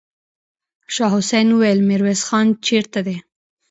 شاه حسين وويل: ميرويس خان چېرته دی؟